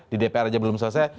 di dpr aja belum selesai